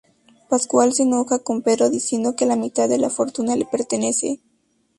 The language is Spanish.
Pascual se enoja con Pedro diciendo que la mitad de la fortuna le pertenece.